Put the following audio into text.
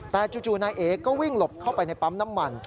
แต่จู่นายเอก็วิ่งหลบเข้าไปในปั๊มน้ำมัน